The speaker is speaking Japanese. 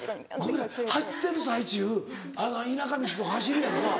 ごめん走ってる最中田舎道とか走るやんか。